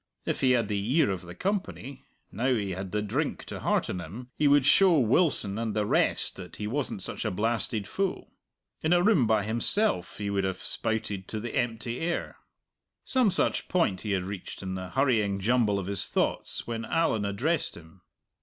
If he had the ear of the company, now he had the drink to hearten him, he would show Wilson and the rest that he wasn't such a blasted fool! In a room by himself he would have spouted to the empty air. Some such point he had reached in the hurrying jumble of his thoughts when Allan addressed him.